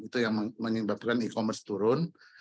itu yang menyebabkan e commerce turun